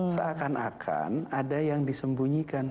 seakan akan ada yang disembunyikan